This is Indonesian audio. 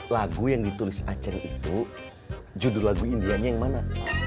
lagu yang ditulis aceng itu judul lagu india nya yang mana